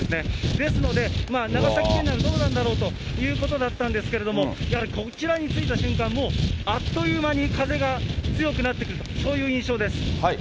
ですので、長崎県内もどうなんだろうということだったんですけれども、やはりこちらに着いた瞬間、もう、あっという間に風が強くなってくる、そういう印象です。